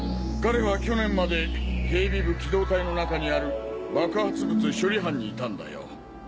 彼は去年まで警備部機動隊の中にある爆発物処理班にいたんだよ。